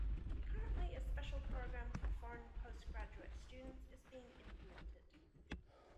Currently a special program for foreign postgraduate students is being implemented.